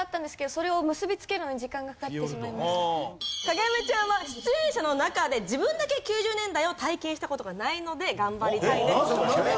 影山ちゃんは出演者の中で自分だけ９０年代を体験した事がないので頑張りたいですという事で。